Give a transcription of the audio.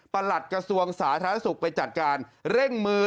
หลัดกระทรวงสาธารณสุขไปจัดการเร่งมือ